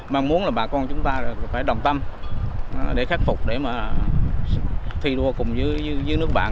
mong muốn là bà con chúng ta phải đồng tâm để khắc phục để mà thi đua cùng với nước bạn